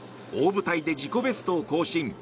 大舞台で自己ベストを更新。